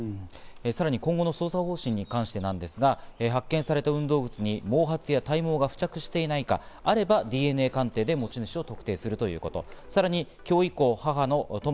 さらに今後の捜査方針に関してなんですが、発見された運動靴にも毛髪や体毛が付着していないか、あればＤＮＡ鑑定で持ち主を特定するということ。